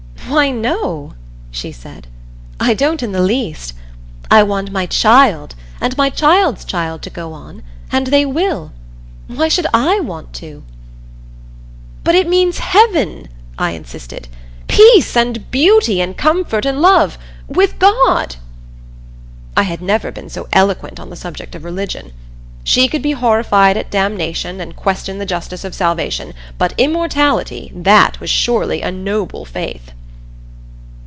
"Why, no," she said. "I don't in the least. I want my child and my child's child to go on and they will. Why should I want to?" "But it means Heaven!" I insisted. "Peace and Beauty and Comfort and Love with God." I had never been so eloquent on the subject of religion. She could be horrified at Damnation, and question the justice of Salvation, but Immortality that was surely a noble faith.